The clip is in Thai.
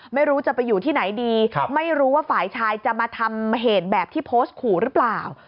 ไม่รู้จะไปอยู่ที่ไหนดีไม่รู้ว่าฝ่ายชายจะมาทำเหตุแบบที่โพสต์ขู่หรือเปล่า